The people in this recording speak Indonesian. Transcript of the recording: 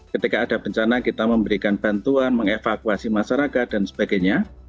ketika ada bencana kita memberikan bantuan mengevakuasi masyarakat dan sebagainya